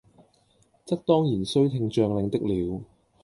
則當然須聽將令的了，